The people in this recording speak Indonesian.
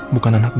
bukan anak riki